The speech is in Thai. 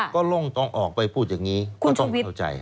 ก็ลงต้องออกไปพูดอย่างนี้ก็ต้องเข้าใจ